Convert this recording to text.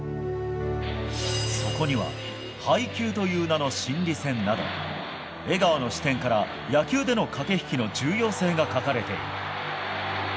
そこには配球という名の心理戦など江川の視点から野球での駆け引きの重要性が書かれている。